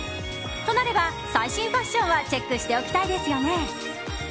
となれば、最新ファッションはチェックしておきたいですよね。